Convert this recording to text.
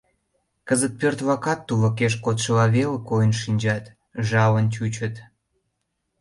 Кызыт пӧрт-влакат тулыкеш кодшыла веле койын шинчат, жалын чучыт.